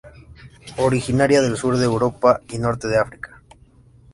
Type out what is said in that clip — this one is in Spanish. Originaria del sur de Europa y Norte de África.